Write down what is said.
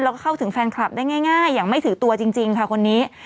แล้วก็เข้าถึงแฟนคลับได้ง่ายอย่างไม่ถือตัวจริงค่ะคนนี้